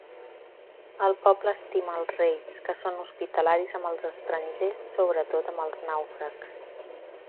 El poble estima els reis, que són hospitalaris amb els estrangers, sobretot amb els nàufrags.